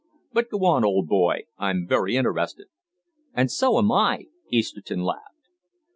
But go on, old boy, I'm very interested." "And so am I," Easterton laughed.